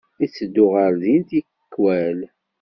Itteddu ɣer din tikkal.